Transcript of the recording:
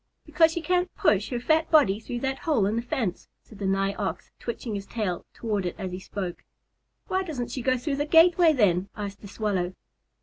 "Because she can't push her fat body through that hole in the fence," said the Nigh Ox, switching his tail toward it as he spoke. "Why doesn't she go through the gateway, then?" asked the Swallow.